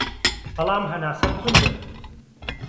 بەڵام هەناسەم توندە